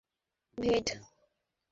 হাল্কা ভাবে নাও, ডেভ।